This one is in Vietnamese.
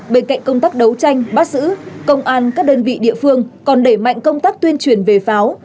bên cạnh công tác đấu tranh bắt giữ công an các đơn vị địa phương còn đẩy mạnh công tác tuyên truyền về pháo